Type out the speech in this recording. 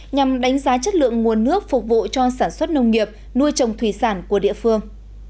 nhằm đánh giá chất lượng nguồn nước phục vụ cho sản xuất nông nghiệp nuôi trồng thủy sản của địa phương